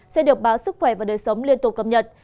sẽ được báo sức khỏe và đời sống liên tục cập nhật